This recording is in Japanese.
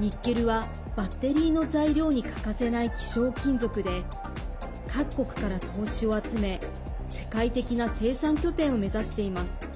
ニッケルは、バッテリーの材料に欠かせない希少金属で各国から投資を集め、世界的な生産拠点を目指しています。